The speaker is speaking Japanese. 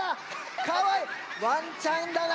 かわいいワンちゃんだな